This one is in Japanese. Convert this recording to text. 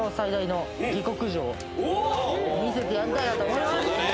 見せてやりたいなと思います！